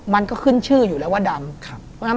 มันก็ขึ้นชื่ออยู่แล้วว่าดำ